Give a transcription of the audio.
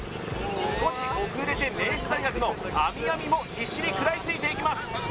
少し遅れて明治大学の阿弥阿弥も必死に食らいついていきます